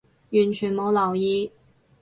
完全冇留意